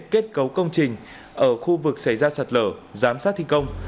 kết cấu công trình ở khu vực xảy ra sạt lở giám sát thi công